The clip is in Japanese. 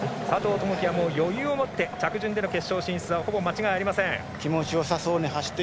友祈は余裕を持って着順での決勝進出間違いありません。